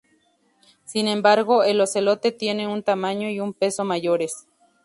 Sin embargo, el ocelote tiene un tamaño y un peso mayores.